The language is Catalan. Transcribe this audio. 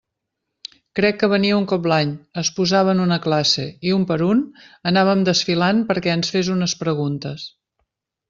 Crec que venia un cop l'any, es posava en una classe i, un per un, anàvem desfilant perquè ens fes unes preguntes.